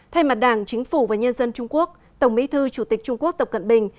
thay mặt đảng chính phủ và nhân dân trung quốc tổng bí thư chủ tịch trung quốc tập cận bình